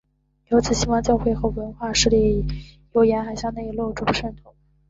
由此西方教会和文化势力由沿海向内陆逐步渗透。